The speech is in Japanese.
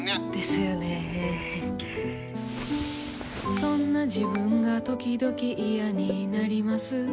そんな自分がときどき嫌になります。